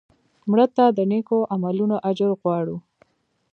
مړه ته د نیکو عملونو اجر غواړو